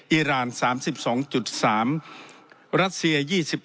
อิราณ๓๒๓รัสเซีย๒๑